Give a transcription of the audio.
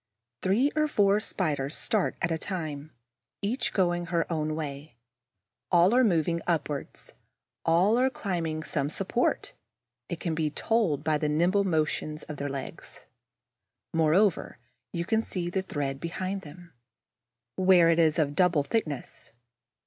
Three or four Spiders start at a time, each going her own way. All are moving upwards, all are climbing some support, as can be told by the nimble motion of their legs. Moreover, you can see the thread behind them, where it is of double thickness.